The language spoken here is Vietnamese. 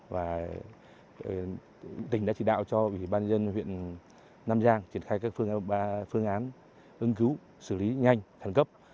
và tỉnh đã chỉ đạo cho ủy ban dân huyện nam giang triển khai các phương án ứng cứu xử lý nhanh khẩn cấp